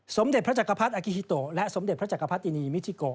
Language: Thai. สมเด็จพระจักรพรรดิอากิฮิโตและสมเด็จพระจักรพรรตินีมิทิโก